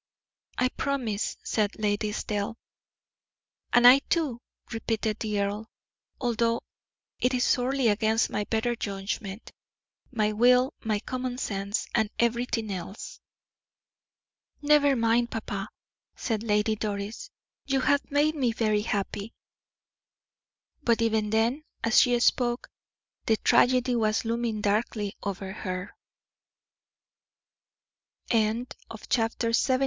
"I promise," said Lady Estelle. "And I too," repeated the earl, "although it is sorely against my better judgment, my will, my common sense, and everything else." "Never mind, papa," said Lady Doris, "you have made me happy." But even then, as she spoke, the tragedy was looming darkly over her. CHAPTER LXXIII.